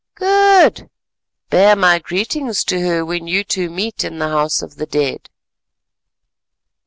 Good! bear my greetings to her when you two meet in the House of the Dead."